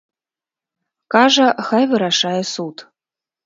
Кажа, хай вырашае суд.